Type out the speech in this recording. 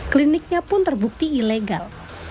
kliniknya pun terbukti ilegal